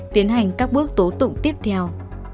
tiến hành các bước tố tụng tiếp theo